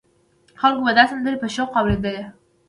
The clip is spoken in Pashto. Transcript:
خلکو به دا سندرې په شوق اورېدلې.